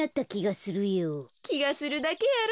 きがするだけやろ。